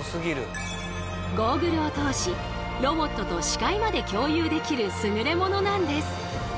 ゴーグルを通しロボットと視界まで共有できる優れ物なんです。